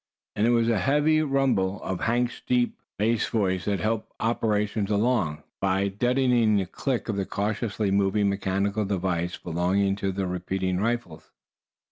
And it was the heavy rumble of Hank's deep bass voice that had helped operations along, by deadening the "click" of the cautiously moved mechanical devises belonging to the repeating rifles.